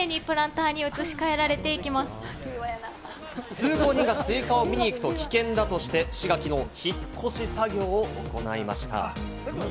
通行人がスイカを見に行くと危険だとして、市がきのう、引っ越し作業を行いました。